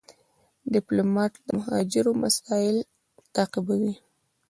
ډيپلومات د مهاجرو مسایل تعقیبوي.